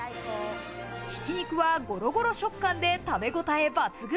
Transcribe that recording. ひき肉はゴロゴロ食感で食べごたえ抜群。